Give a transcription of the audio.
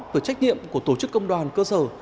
về trách nhiệm của tổ chức công đoàn cơ sở